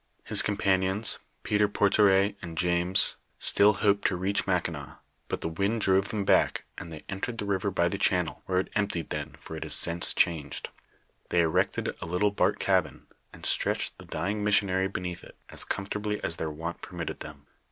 His companions, Peter Porteret and James , still hoped to reach Mackinaw, but the wind drove them back, and they entered the river by the channel, where it emptied then, for it has since changed. They erected a little bark cabin, and stretched the dying missionary beneath it, as comfortably as their want permitted them.